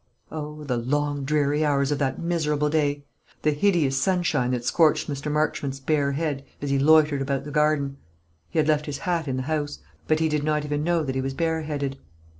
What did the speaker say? Oh, the long dreary hours of that miserable day! the hideous sunshine, that scorched Mr. Marchmont's bare head, as he loitered about the garden! he had left his hat in the house; but he did not even know that he was bareheaded.